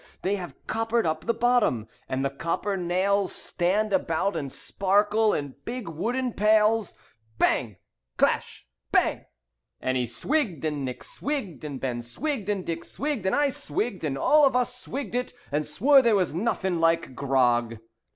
They have coppered up the bottom, And the copper nails Stand about and sparkle in big wooden pails. Bang! Clash! Bang! "And he swigg'd, and Nick swigg'd, And Ben swigg'd, and Dick swigg'd, And I swigg'd, and all of us swigg'd it, And swore there was nothing like grog."